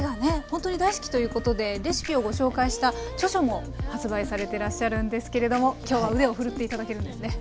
本当に大好きということでレシピをご紹介した著書も発売されてらっしゃるんですけれども今日は腕を振るって頂けるんですね。